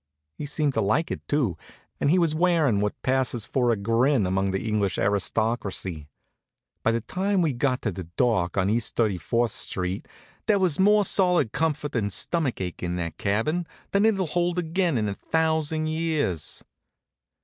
He seemed to like it, too, and he was wearin' what passes for a grin among the English aristocracy. By the time we got to the dock at East 34th st. there was more solid comfort and stomach ache in that cabin than it'll hold again in a thousand years.